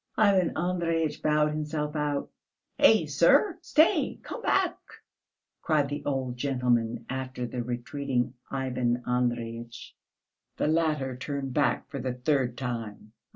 Ivan Andreyitch bowed himself out. "Hey, sir! Stay, come back," cried the old gentleman, after the retreating Ivan Andreyitch. The latter turned back for the third time.